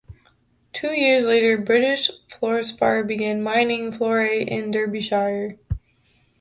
Two years later "British Fluorspar" began mining fluorite in Derbyshire.